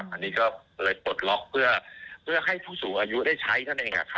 อันนี้ก็เลยปลดล็อกเพื่อให้ผู้สูงอายุได้ใช้นั่นเอง